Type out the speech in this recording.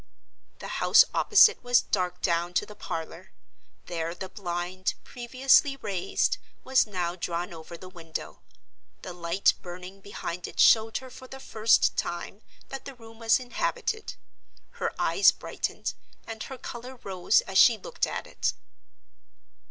The house opposite was dark down to the parlor. There the blind, previously raised, was now drawn over the window: the light burning behind it showed her for the first time that the room was inhabited. Her eyes brightened, and her color rose as she looked at it.